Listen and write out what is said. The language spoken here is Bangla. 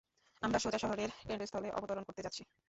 আমরা সোজা শহরের কেন্দ্রস্থলে অবতরণ করতে যাচ্ছি।